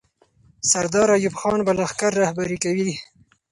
سردار ایوب خان به لښکر رهبري کوي.